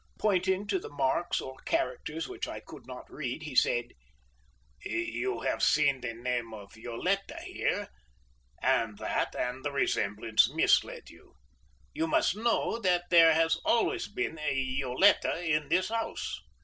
Pointing to the marks or characters which I could not read, he said: "You have seen the name of Yoletta here, and that and the resemblance misled you. You must know that there has always been a Yoletta in this house.